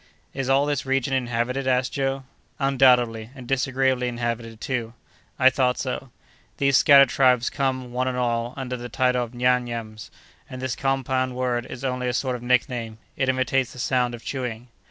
"Is all this region inhabited?" asked Joe. "Undoubtedly; and disagreeably inhabited, too." "I thought so." "These scattered tribes come, one and all, under the title of Nyam Nyams, and this compound word is only a sort of nickname. It imitates the sound of chewing."